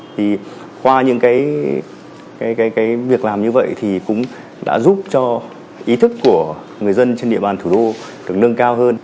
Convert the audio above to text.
thì qua những cái việc làm như vậy thì cũng đã giúp cho ý thức của người dân trên địa bàn thủ đô được nâng cao hơn